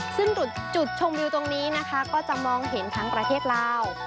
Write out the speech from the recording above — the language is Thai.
ซึ่งจุดชมวิวตรงนี้นะคะก็จะมองเห็นทั้งประเทศลาว